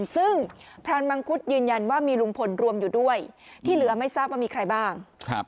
ซึ่งพรานมังคุดยืนยันว่ามีลุงพลรวมอยู่ด้วยที่เหลือไม่ทราบว่ามีใครบ้าง